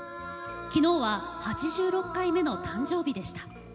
昨日は８６回目の誕生日でした。